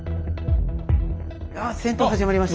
ああ戦闘始まりました。